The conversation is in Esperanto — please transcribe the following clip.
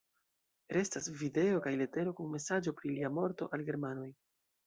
Restas video kaj letero kun mesaĝo pri lia morto al germanoj.